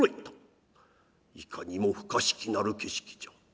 「いかにも不可思議なる景色じゃ。